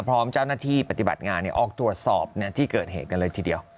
พร้อมเจ้าหน้าที่ปฏิบัติงานออกตรวจสอบที่เกิดเหตุกันเลยทีเดียว